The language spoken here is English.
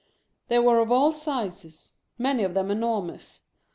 They were of aU sizes ; many of them enormous.